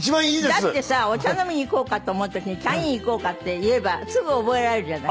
だってさお茶飲みに行こうかと思う時にキャイン行こうかって言えばすぐ覚えられるじゃない。